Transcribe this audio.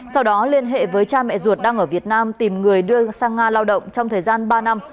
sau đó liên hệ với cha mẹ ruột đang ở việt nam tìm người đưa sang nga lao động trong thời gian ba năm